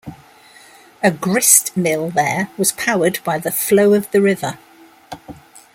A grist mill there was powered by the flow of the river.